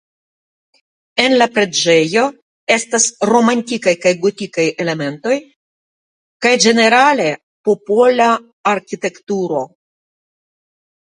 En la preĝejo estas romanikaj kaj gotikaj elementoj kaj ĝenerale popola arkitekturo.